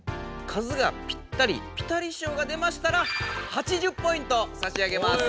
数がピッタリピタリ賞が出ましたら８０ポイントさし上げます！